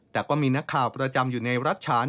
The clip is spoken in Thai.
แต่ก็มีนักข่าวประจำอยู่ในรัฐฉาน